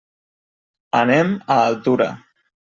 Anem a Altura.